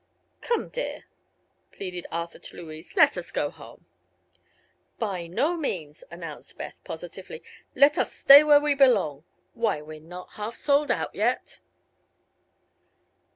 "Come dear," pleaded Arthur to Louise; "let us go home." "By no means!" announced Beth, positively; "let us stay where we belong. Why, we're not half sold out yet!"